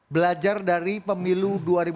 belajar dari pemilu dua ribu sembilan belas